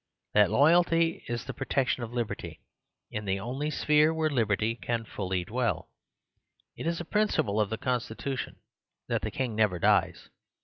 That loy alty is the protection of liberty, in the only sphere where liberty can fully dwell. It is a principle of the constitution that the King never dies.